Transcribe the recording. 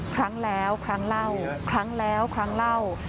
ครั้งแล้วครั้งเล่าครั้งแล้วครั้งเล่า